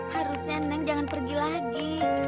harusnya nenang jangan pergi lagi